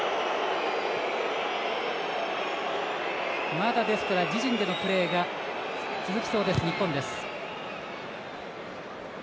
まだ自陣でのプレーが続きそうな日本です。